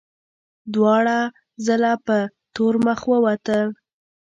دواړه ځله په تور مخ ووتل.